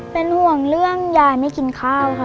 เป็นห่วงเรื่องยายไม่กินข้าวค่ะ